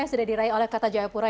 yang sudah diraih oleh kota jayapura